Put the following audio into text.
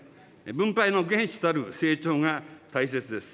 分配の原資たる成長が大切です。